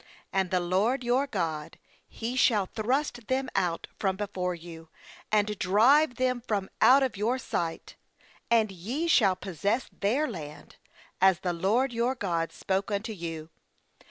6And the LORD your God, He shall thrust them out from before you, and drive them from out of your sight , and ye shall possess their land, as the LORD your God spoke unto you.